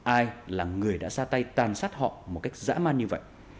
ai là người đã ra tay tàn sát họ một cách dã man như vậy